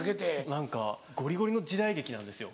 何かごりごりの時代劇なんですよ